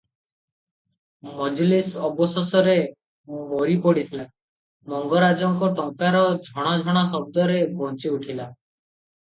ମଜଲିସ ଅବଶୋଷରେ ମରି ପଡ଼ିଥିଲା, ମଙ୍ଗରାଜଙ୍କ ଟଙ୍କାର ଝଣ ଝଣ ଶବ୍ଦରେ ବଞ୍ଚିଉଠିଲା ।